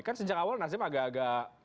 kan sejak awal nasdem agak agak